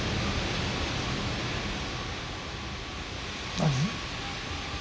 何？